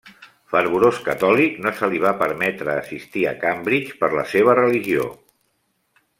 Fervorós catòlic, no se li va permetre assistir a Cambridge per la seva religió.